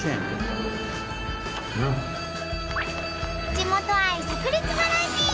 地元愛さく裂バラエティー！